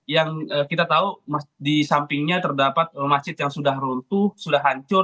yang kita tahu di sampingnya terdapat masjid yang sudah runtuh sudah hancur